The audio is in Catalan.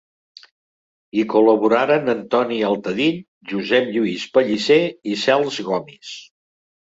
Hi col·laboraren Antoni Altadill, Josep Lluís Pellicer i Cels Gomis.